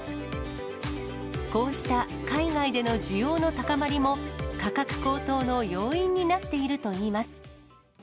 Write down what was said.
こうした海外での需要の高まりも、価格高騰の要因になっているといいます。